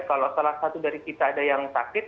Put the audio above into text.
kalau salah satu dari kita ada yang sakit